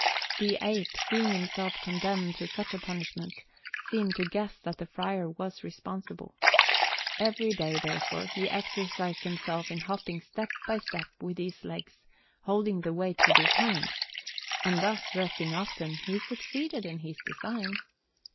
The ape, seeing himself condemned to such a punishment, seemed to guess that the friar was responsible. Every day, therefore, he exercised himself in hopping step by step with his legs, holding the weight with his hands; and thus, resting often, he succeeded in his design.